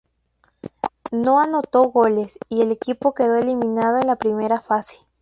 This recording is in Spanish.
No anotó goles, y el equipo quedó eliminado en la primera fase.